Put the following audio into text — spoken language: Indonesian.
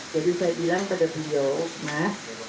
jadi saya bilang pada video mas